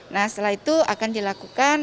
nah setelah itu akan dilakukan